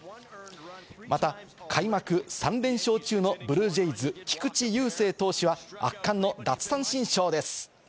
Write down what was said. また開幕３連勝中のブルージェイズ・菊池雄星投手は圧巻の奪三振ショーです。